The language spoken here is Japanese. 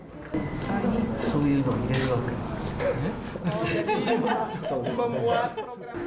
そういうのを入れるわけなんですね。